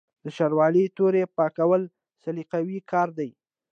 د شاروالۍ تورې پاکول سلیقوي کار دی.